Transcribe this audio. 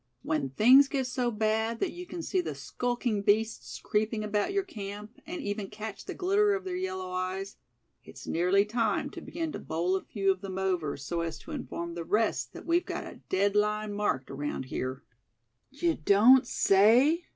"When things get so bad that you can see the skulking beasts creeping about your camp, and even catch the glitter of their yellow eyes, it's nearly time to begin to bowl a few of them over, so as to inform the rest that we've got a dead line marked around here." "You don't say?"